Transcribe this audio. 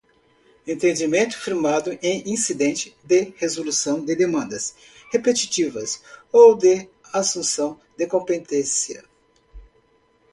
entendimento firmado em incidente de resolução de demandas repetitivas ou de assunção de competência